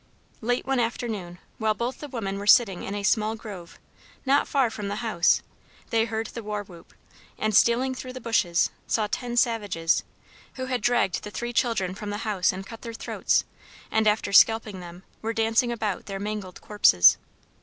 Late one afternoon, while both the women were sitting in a small grove, not far from the house, they heard the war whoop, and, stealing through the bushes, saw ten savages, who had dragged the three children from the house and cut their throats, and, after scalping them, were dancing about their mangled corpses.